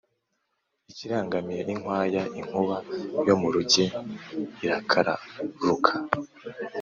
akirangamiye inkwaya inkuba yo mu ruge irakararuka